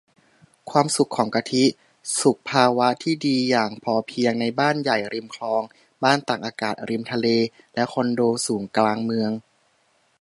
ความสุขของกะทิ สุขภาวะที่ดีอย่างพอเพียง ในบ้านใหญ่ริมคลอง บ้านตากอากาศริมทะเล และคอนโดสูงกลางเมือง